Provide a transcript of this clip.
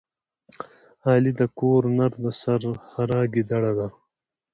علي د کور نر د سحرا ګیدړه ده.